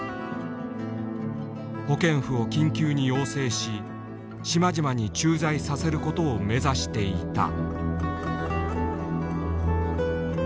保健婦を緊急に養成し島々に駐在させることを目指していた。